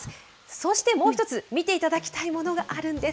そしてもう１つ、見ていただきたいものがあるんです。